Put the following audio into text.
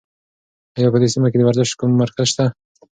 ایا په دې سیمه کې د ورزش کوم مرکز شته؟